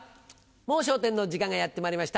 『もう笑点』の時間がやってまいりました。